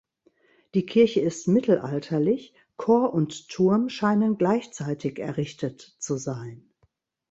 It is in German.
Die Kirche ist mittelalterlich, Chor und Turm scheinen gleichzeitig errichtet zu sein.